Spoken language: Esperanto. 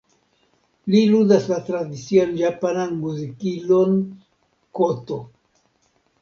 Li ludas la tradician japanan "muzikilo"n, "koto".